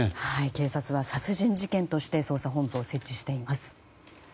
警察は殺人事件として捜査本部を設置しています。